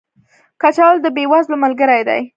کچالو د بې وزلو ملګری دی